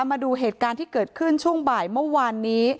มาดูเหตุการณ์ที่เกิดขึ้นช่วงบ่ายเมื่อวานนี้